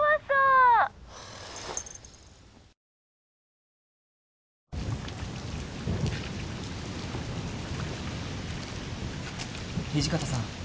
土方さん。